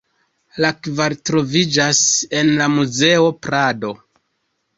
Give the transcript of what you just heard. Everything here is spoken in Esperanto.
La kvar troviĝas en la Muzeo Prado.